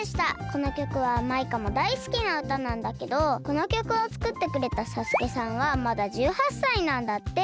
このきょくはマイカもだいすきなうたなんだけどこのきょくをつくってくれたＳＡＳＵＫＥさんはまだ１８さいなんだって。